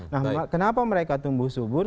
nah kenapa mereka tumbuh subur